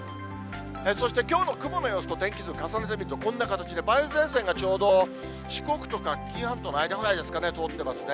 そしてきょうの雲の様子と天気図、重ねてみると、こんな形で、梅雨前線がちょうど四国とか紀伊半島の間ぐらいですかね、通ってますね。